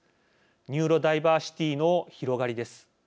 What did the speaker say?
ニューロダイバーシティの広がりです。